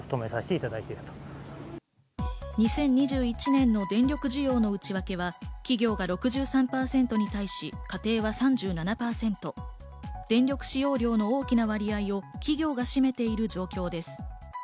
２０２１年の電力需要の内訳は金曜が６３％に対し、家庭は３７％、電力使用量の大きな割合を企業が占めている状況です。